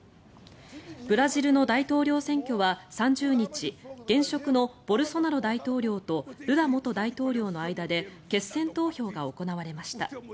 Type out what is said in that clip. ブラジルの大統領選挙は３０日現職のボルソナロ大統領とルラ元大統領の間で決選投票が行われました。